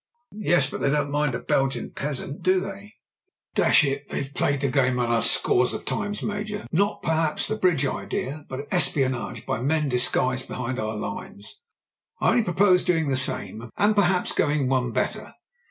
'*Yes, but they don't mind a Belgian peasant, do JIM BRENT'S V.C. 131 they ? Dash it, they've played the game on us scores of times, Major — ^not perhaps the bridge idea, but espionage by men disguised behind our lines. I only propose doing the same, and perhaps going one better."